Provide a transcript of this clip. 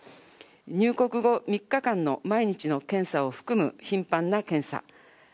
入国後、３日間の毎日の検査を含む頻繁な検査。